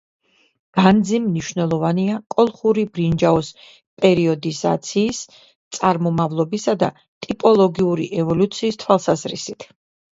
განძი მნიშვნელოვანია კოლხური ბრინჯაოს პერიოდიზაციის, წარმომავლობისა და ტიპოლოგიური ევოლუციის თვალსაზრისით.